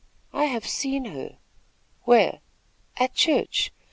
"I have seen her." "Where?" "At church.